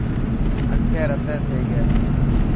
انکي رتي ٿي گئي.